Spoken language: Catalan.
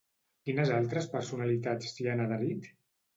Quines altres personalitats s'hi han adherit?